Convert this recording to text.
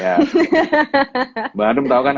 ya mbak anum tau kan